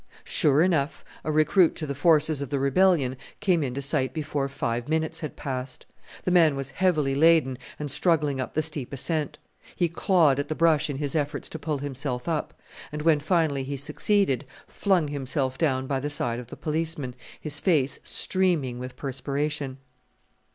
Sure enough a recruit to the forces of the rebellion came into sight before five minutes had passed. The man was heavily laden and struggling up the steep ascent. He clawed at the brush in his efforts to pull himself up; and when finally he succeeded flung himself down by the side of the policeman, his face streaming with perspiration.